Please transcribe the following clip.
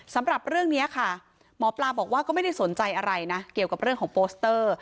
สำหรับเรื่องนี้ค่ะหมอปลาบอกว่าก็ไม่ได้สนใจอะไรนะเกี่ยวกับเรื่องของโปสเตอร์